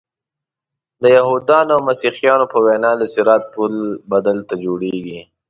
د یهودانو او مسیحیانو په وینا د صراط پل به دلته جوړیږي.